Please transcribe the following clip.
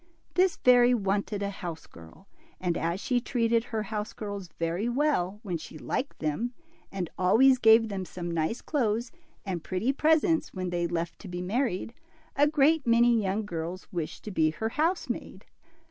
This fairy wanted a house girl, and as she treated her house girls very well when she liked them, and always gave them some nice clothes and pretty presents when they left be married, a great many young girls wished to be her housemaid.